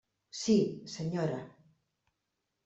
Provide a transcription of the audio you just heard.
Sí, senyora.